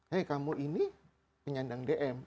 hei kamu ini penyandang dm